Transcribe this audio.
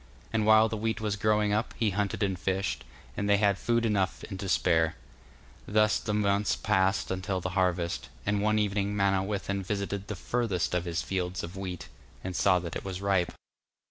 And while the wheat was growing up, he hunted and fished, and they had food enough and to spare. Thus the months passed until the harvest; and one evening Manawyddan visited the furthest of his fields of wheat; and saw that it was ripe.